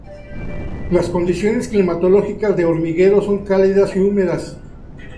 Las condiciones climatológicas de Hormigueros son cálidas y húmedas.